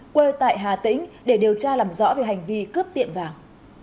quê tại hà tĩnh để điều tra làm rõ về hành vi cướp tiệm vàng